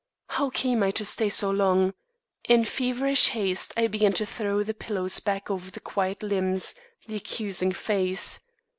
How came I to stay so long! In feverish haste, I began to throw the pillows back over the quiet limbs, the accusing face.